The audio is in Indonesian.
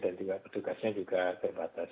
dan juga petugasnya juga terbatas